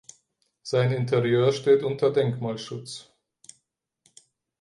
Sein Interieur steht unter Denkmalschutz.